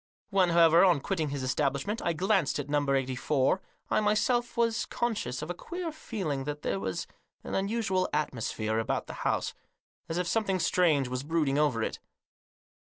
When, however, on quitting his establishment I glanced at No. 84, I myself was conscious of a queer feeling that there was an unusual atmosphere about the house, as if some thing strange was brooding over it.